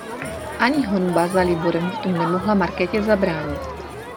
Ani honba za Liborem v tom nemohla Markétě zabránit.